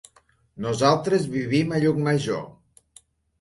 Nosaltres vivim a Llucmajor.